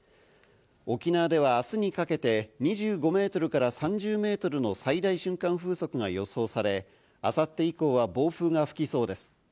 沖縄ではあすにかけて２５メートルから３０メートルの最大瞬間風速が予想され、あさって以降は暴風が吹きそうです。